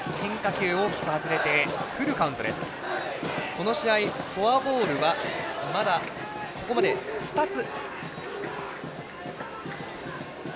この試合、フォアボールはまだここまで２つ。